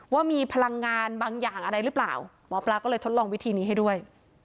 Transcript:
ว่ามีพลังงานบางอย่างอะไรหรือเปล่าหมอปลาก็เลยทดลองวิธีนี้ให้ด้วย